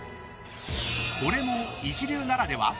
これも一流ならでは？